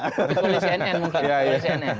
kepulih cnn mungkin